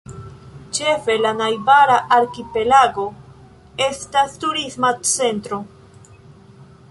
Ĉefe la najbara arkipelago estas turisma centro.